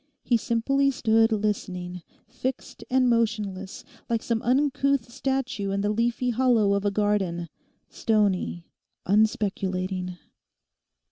He simply stood listening, fixed and motionless, like some uncouth statue in the leafy hollow of a garden, stony, unspeculating.